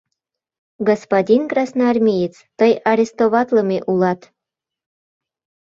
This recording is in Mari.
Господин красноармеец, тый арестоватлыме улат.